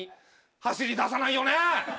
走り出さないよねぇ！